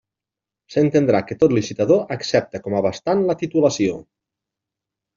S'entendrà que tot licitador accepta com a bastant la titulació.